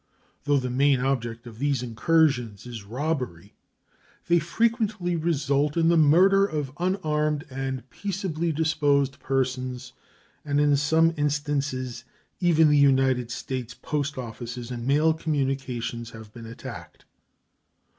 Though the main object of these incursions is robbery, they frequently result in the murder of unarmed and peaceably disposed persons, and in some instances even the United States post offices and mail communications have been attacked.